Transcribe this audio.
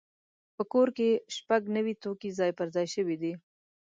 په کور کې شپږ نوي توکي ځای پر ځای شوي دي.